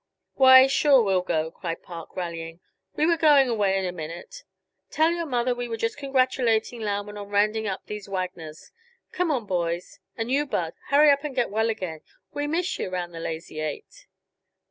"Why, sure we'll go," cried Park, rallying. "We were going anyway in a minute. Tell your mother we were just congratulating Lauman on rounding up these Wagners. Come on, boys. And you, Bud, hurry up and get well again; we miss yuh round the Lazy Eight."